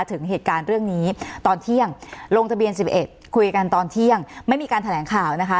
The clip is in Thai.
ถึงเหตุการณ์เรื่องนี้ตอนเที่ยงลงทะเบียน๑๑คุยกันตอนเที่ยงไม่มีการแถลงข่าวนะคะ